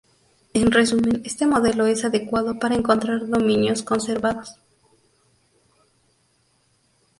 En resumen, este modelo es adecuado para encontrar dominios conservados.